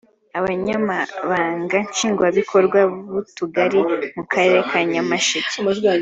Abanyamabanga Nshingwabikorwa b’utugari mu Karere ka Nyamasheke